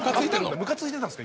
ムカついてたんですか？